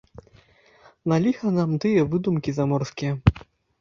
На ліха нам тыя выдумкі заморскія?